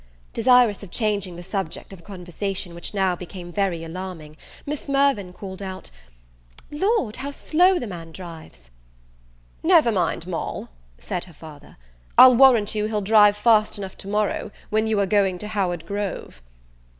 Desirous of changing the subject of a conversation which now became very alarming, Miss Mirvan called out, "Lord, how slow the man drives!" "Never mind, Moll," said her father, "I'll warrant you he'll drive fast enough to morrow, when you are going to Howard Grove."